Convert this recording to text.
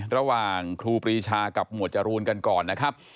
ระหว่างครูปรีชากับหมวดจรูนกันก่อนนะครับ